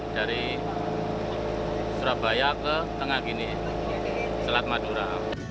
dari surabaya ke tengah gini selat madura